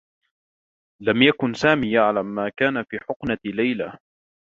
لم يكن سامي يعلم ما كان في حقنة ليلى.